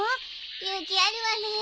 勇気あるわねえ。